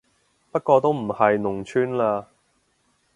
不過都唔係農村嘞